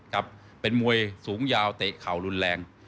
ครับเป็นมวยสูงยาวเตะเข่ารุนแรง